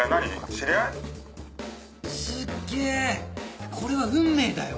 すっげぇこれは運命だよ！